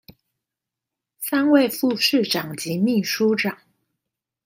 三位副市長及秘書長